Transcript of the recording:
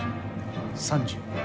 ３０。